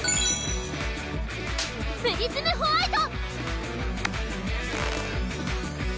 プリズムホワイト！